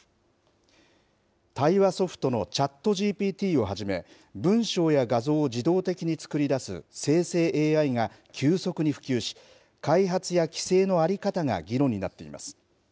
対話ソフトのチャットＧＰＴをはじめ、文章や画像を自動的に作り出す生成ＡＩが急速に普及し、開発や規制の在り方が議論になっています。